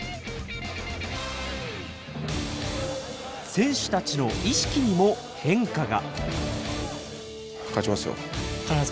選手たちの意識にも変化が。